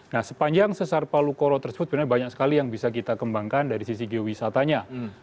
nah sepanjang sesar palu koro tersebut sebenarnya banyak sekali yang bisa kita kembangkan dari sisi geowisatanya